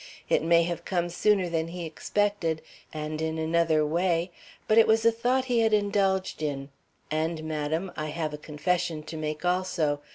It may have come sooner than he expected and in another way, but it was a thought he had indulged in, and madam, I have a confession to make also.